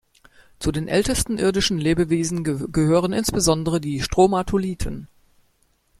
Zu den ältesten irdischen Lebewesen gehören insbesondere die Stromatolithen.